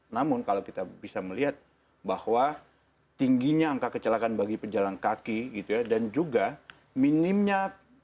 namun kalau kita bisa melihat bahwa tingginya angka kecelakaan bagi pejalan kaki gitu ya dan juga minimnya